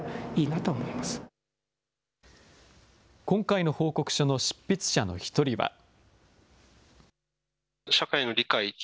今回の報告書の執筆者の１人は。